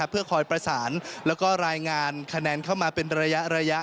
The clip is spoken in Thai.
เพื่อคอยประสานแล้วก็รายงานคะแนนเข้ามาเป็นระยะ